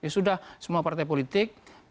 sudah semua partai politik